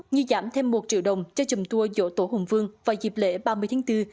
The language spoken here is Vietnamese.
như giảm thêm một triệu đồng cho chùm tour dỗ tổ hùng vương vào dịp lễ ba mươi tháng bốn